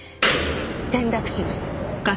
転落死です。